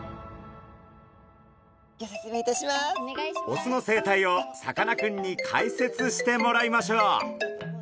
オスの生態をさかなクンに解説してもらいましょう！